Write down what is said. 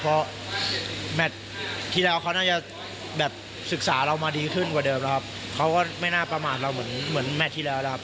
เพราะแมทที่แล้วเขาน่าจะแบบศึกษาเรามาดีขึ้นกว่าเดิมแล้วครับเขาก็ไม่น่าประมาทเราเหมือนเหมือนแมทที่แล้วแล้วครับ